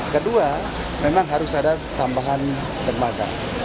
kedua memang harus ada tambahan dermaga